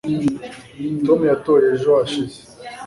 tom yatoye ejo hashize